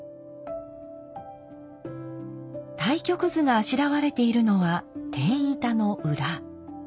太極図があしらわれているのは天板の裏。